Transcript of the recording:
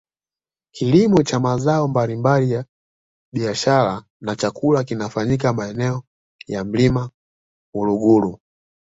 kilimo cha mazao mbalimbali ya biashara na chakula kinafanyika maeneo ya mlima uluguru